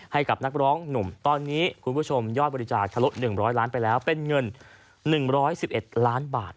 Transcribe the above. ให้กับนักร้องหนุ่มตอนนี้คุณผู้ชมยอดบริจาคทะลุ๑๐๐ล้านไปแล้วเป็นเงิน๑๑๑ล้านบาท